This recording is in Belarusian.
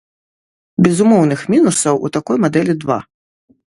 Безумоўных мінусаў у такой мадэлі два.